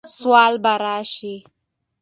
سوله به راشي،